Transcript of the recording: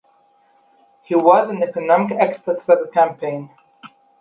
He was an economic expert for the campaign.